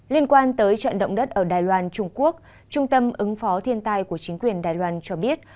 liên quan tới trận động đất ở đài loan trung quốc trung tâm ứng phó thiên tai của chính quyền đài loan cho biết